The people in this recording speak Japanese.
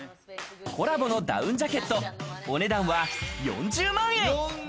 コラボのダウンジャケット、お値段は４０万円。